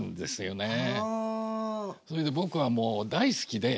それで僕はもう大好きで。